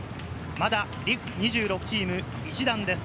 まだ２６チーム、１弾です。